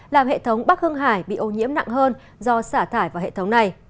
giống bắc hưng hải bị ô nhiễm nặng hơn do xả thải vào hệ thống này